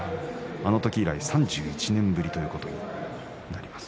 それ以来の３１年ぶりということになります。